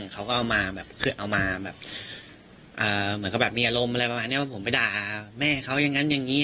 เขาก็เอามาแบบมีอารมณ์อะไรประมาณนี้ว่าผมไปด่าแม่เขายังงั้นอย่างนี้